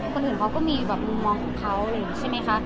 คนอื่นเค้าก็มีมุมมองของเค้าใช่ไหมคะ